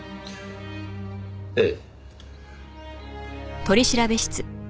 ええ。